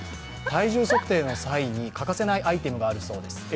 体重測定の際に欠かせないアイテムがあるそうです。